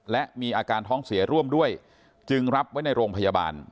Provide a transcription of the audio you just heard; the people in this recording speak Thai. และมีอาการท้องเสียร่วมด้วยจึงรับไว้ในโรงพยาบาล